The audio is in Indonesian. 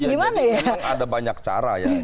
ya jadi memang ada banyak cara ya